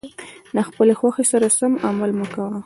د خپلې خوښې سره سم عمل مه کوه.